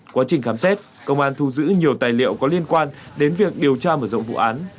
quá trình khám xét công an thu giữ nhiều tài liệu có liên quan đến việc điều tra mở rộng vụ án